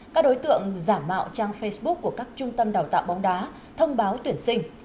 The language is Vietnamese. các đối tượng giả mạo trang facebook của các trung tâm đào tạo bóng đá thông báo tuyển sinh